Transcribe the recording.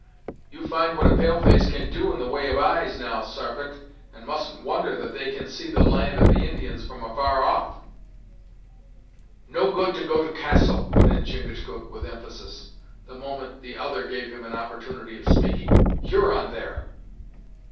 You find what a pale face can do in the way of eyes, now, Sarpent, and mustn't wonder that they can see the land of the Indians from afar off." "No good to go to Castle," put in Chingachgook with emphasis, the moment the other gave him an opportunity of speaking. "Huron there."